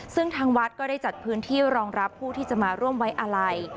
ซึ่งทางวัดก็ได้จัดพื้นที่รองรับผู้ที่จะมาร่วมไว้อาลัย